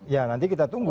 ya nanti kita tunggu